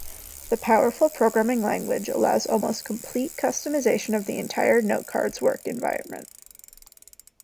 The powerful programming language allows almost complete customization of the entire NoteCards work environment.